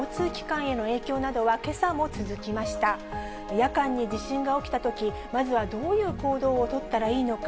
夜間に地震が起きたとき、まずはどういう行動を取ったらいいのか。